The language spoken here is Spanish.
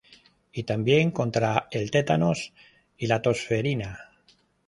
y también contra el tétanos y la tosferina